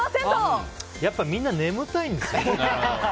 やっぱりみんな眠たいんですよ。